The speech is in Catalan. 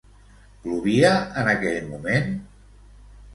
Plovia en aquell moment?